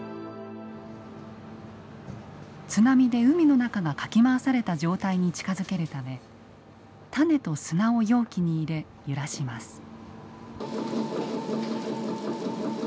津波で海の中がかき回された状態に近づけるため種と砂を容器に入れ揺らします。